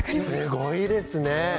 すごいですね。